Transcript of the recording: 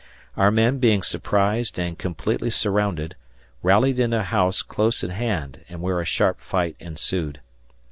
Our men being surprised and completely surrounded, rallied in a house close at hand and where a sharp fight ensued.